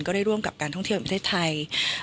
ได้ร่วมกับการท่องเที่ยวของประเทศไทย